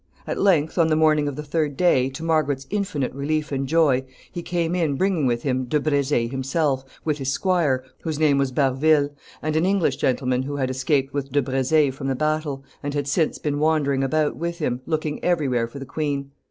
At length, on the morning of the third day, to Margaret's infinite relief and joy, he came in bringing with him De Brezé himself, with his squire, whose name was Barville, and an English gentleman who had escaped with De Brezé from the battle, and had since been wandering about with him, looking every where for the queen.